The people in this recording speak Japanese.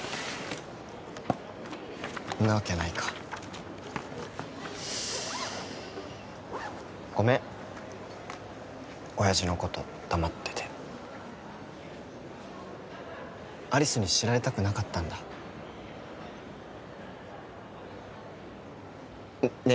なわけないかごめん親父のこと黙ってて有栖に知られたくなかったんだねえ